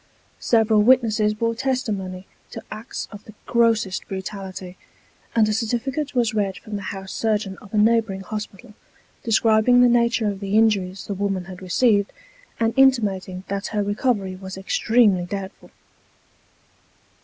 Several witnesses bore testimony to acts of the grossest brutality ; and a certificate was read from the house surgeon of a neighbouring hospital, describing the nature of the injuries the woman had received, and intimating that her recovery was extremely doubtful.